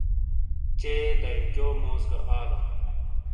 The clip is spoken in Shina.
چے داویکیو موز گہ آلو۔